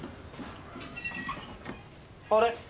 あれ？